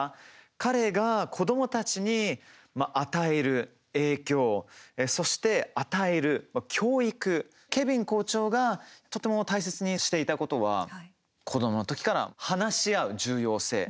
彼が子どもたちに与える影響そして、与える教育ケヴィン校長がとても大切していたことは子どもの時から話し合う重要性。